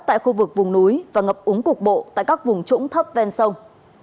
tại khu vực vùng núi và ngập úng cục bộ tại các vùng trũng thấp ven sông